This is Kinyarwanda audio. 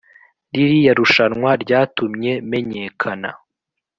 ririya rushanwa ryatumye menyekana.